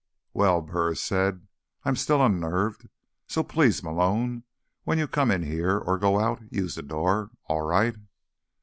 "Well," Burris said, "I'm still unnerved. So please, Malone, when you come in here, or go out, use the door. All right?"